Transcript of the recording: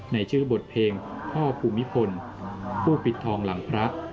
ในชื่อบทเพลงพ่อภูมิพลผู้ปิดทองหลังพระ